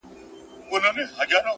د حیا ډکه مُسکا دي پاروي رنګین خیالونه,